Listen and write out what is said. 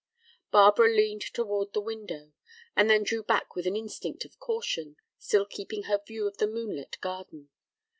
Barbara leaned toward the window, and then drew back with an instinct of caution, still keeping her view of the moonlit garden.